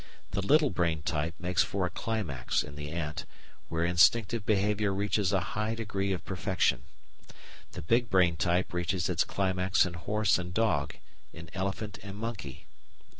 The "little brain" type makes for a climax in the ant, where instinctive behaviour reaches a high degree of perfection; the "big brain" type reaches its climax in horse and dog, in elephant and monkey.